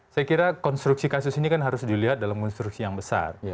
saya kira konstruksi kasus ini kan harus dilihat dalam konstruksi yang besar